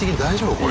これ。